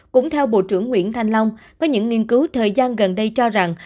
cũng theo bộ trưởng nguyễn thanh long có những nghiên cứu thời gian gần đây cho rằng